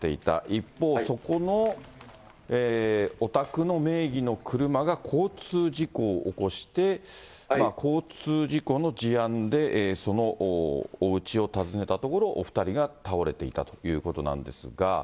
一方、そこのお宅の名義の車が交通事故を起こして、交通事故の事案でそのおうちを訪ねたところ、お２人が倒れていたということなんですが。